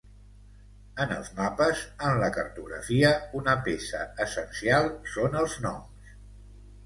En els mapes, en la cartografia, una peça essencial són els noms.